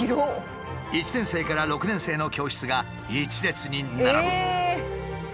１年生から６年生の教室が１列に並ぶ。